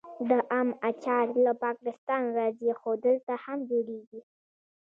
د ام اچار له پاکستان راځي خو دلته هم جوړیږي.